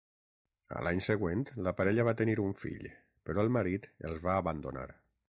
A l'any següent la parella va tenir un fill, però el marit els va abandonar.